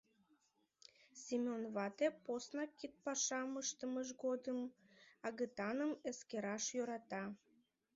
Семён вате поснак кидпашам ыштымыж годым агытаным эскераш йӧрата.